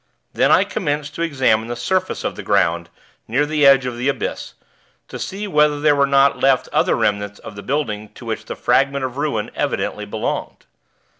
Then I commenced to examine the surface of the ground, near the edge of the abyss, to see whether there were not left other remnants of the building to which the fragment of ruin evidently belonged.